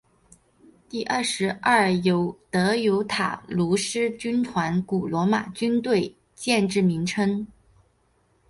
第二十二德尤塔卢斯军团古罗马军队建制名称。